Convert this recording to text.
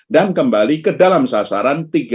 dan kembali ke dalam sasaran